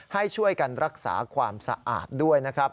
ให้ช่วยกันรักษาความสะอาดด้วยนะครับ